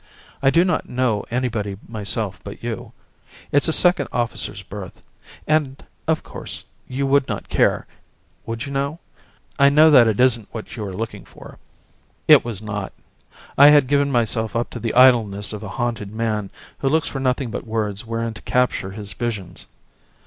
I do not know anybody myself but you. It's a second officer's berth and, of course, you would not care ... would you now? I know that it isn't what you are looking for." It was not. I had given myself up to the idleness of a haunted man who looks for nothing but words wherein to capture his visions.